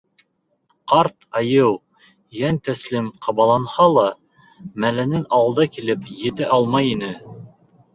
Ҡарт айыу, йәнтәслим ҡабаланһа ла, мәленән алда килеп етә алмай ине.